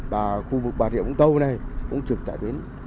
và khu vực bà rịa vũng tàu này cũng trực tại bến